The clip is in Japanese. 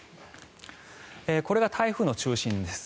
これが台風の中心です。